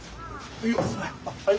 はい。